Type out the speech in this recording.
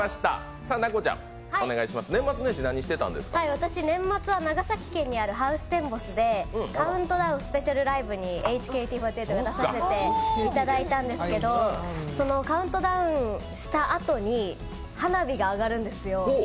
私、年末は長崎県にあるハウステンボスでカウントダウンスペシャルライブにＨＫＴ４８で出させていただいたんですけどカウントダウンしたあとに花火が上がるんですよ。